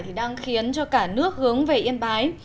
thì đang khiến cho cả nước hướng về yên bái